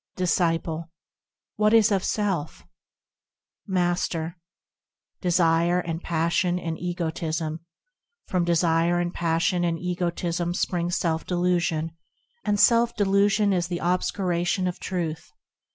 Disciple. What is of self ? Master. Desire and passion and egotism. From desire and passion and egotism springs self delusion ; And self delusion is the obscuration of Truth.